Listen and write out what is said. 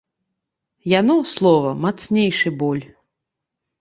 Яно, слова, мацнейшы боль!